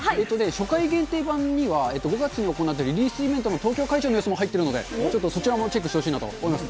初回限定盤には、５月に行ったリリースイベントの東京会場の様子も入ってるので、ちょっとそちらもチェックしてほしいなと思います。